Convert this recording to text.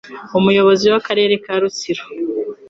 Umuyobozi w'Akarere ka Rutsiro